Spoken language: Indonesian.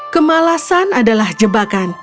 kemalasan adalah jebakan